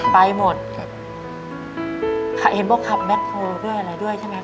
ใครเห็นว่าขับแมคโครด้วยอะไรด้วยใช่ไหม